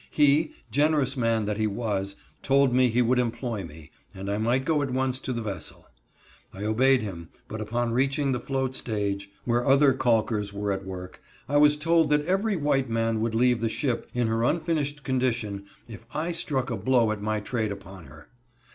He, generous man that he was, told me he would employ me, and I might go at once to the vessel. I obeyed him, but upon reaching the float stage, where others calkers were at work, I was told that every white man would leave the ship, in her unfinished condition, if I struck a blow at my trade upon her.